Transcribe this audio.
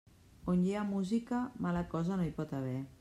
On hi ha música, mala cosa no hi pot haver.